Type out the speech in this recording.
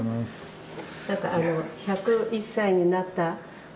何かあの１０１歳になった